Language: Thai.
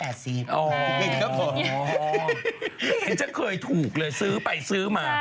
เป็นแบบที่เคยถูกเลยซื้อไปซื้อมา